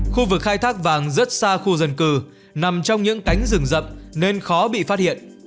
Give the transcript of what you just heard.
khu vực khai thác vàng rất xa khu dân cư nằm trong những cánh rừng rậm nên khó bị phát hiện